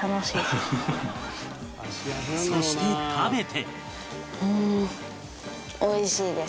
そして食べて